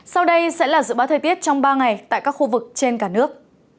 sau đây sẽ là dự báo thời tiết trong ba ngày tại các khu vực trên cả nước